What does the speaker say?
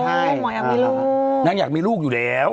หมอแอบมีลูกนางอยากมีลูกอยู่แล้ว